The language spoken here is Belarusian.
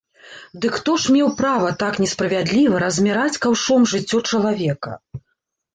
Дык хто ж меў права так несправядліва размяраць каўшом жыццё чалавека?